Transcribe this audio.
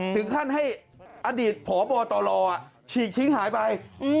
ถึงขั้นให้อดีตพบตรฉีกทิ้งหายไป